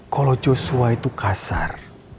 kalau joshua itu kasar